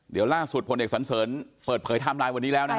เดี๋ยวล่างสุดภนเด็กสันเสริญเปิดเผยคันใหม่ฮะ